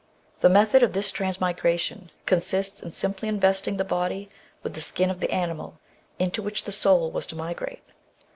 The method of this transmigration consisted in simply investing the body with the skin of the animal into which the soul was to migrate.